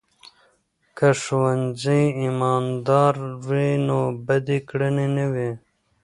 که ښوونځي امانتدار وي، نو بدې کړنې نه وي.